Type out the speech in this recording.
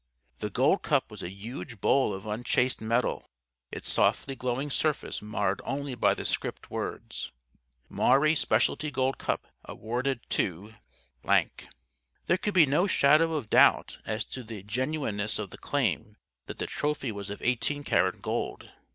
The Gold Cup was a huge bowl of unchased metal, its softly glowing surface marred only by the script words: "_Maury Specialty Gold Cup. Awarded to _" There could be no shadow of doubt as to the genuineness of the claim that the trophy was of eighteen karat gold.